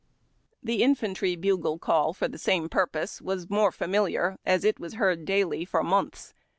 Tlie infantry bugle call for the same purj)Ose was more familiar, as it ^Yas heard daily for months.